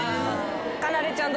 かなでちゃん